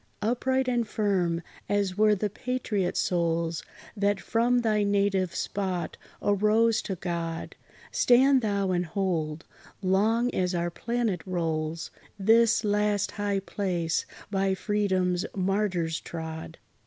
Upright and firm, as were the patriot souls, That from thy native spot arose to God, Stand thou and hold, long as our planet rolls, This last high place by Freedom's martyrs trod.